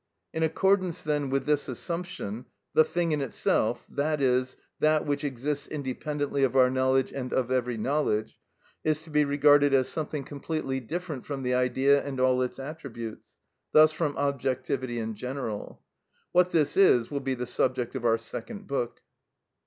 (12) In accordance, then, with this assumption, the thing in itself, i.e., that which exists independently of our knowledge and of every knowledge, is to be regarded as something completely different from the idea and all its attributes, thus from objectivity in general. What this is will be the subject of our second book.